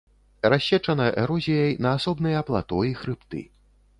Рассечана эрозіяй на асобныя плато і хрыбты.